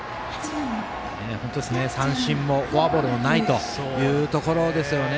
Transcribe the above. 三振もフォアボールもないというところですよね。